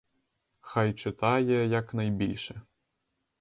Хай читає, як найбільше.